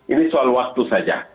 ini soal waktu saja